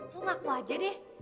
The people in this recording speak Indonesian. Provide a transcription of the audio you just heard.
lu ngaku aja deh